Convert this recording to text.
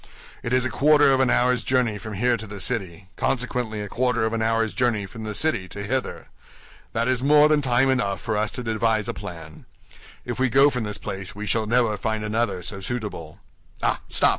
"It is a quarter of an hour's journey from here to the city, consequently a quarter of an hour's journey from the city to hither. That is more than time enough for us to devise a plan. If we go from this place we shall never find another so suitable. Ah, stop!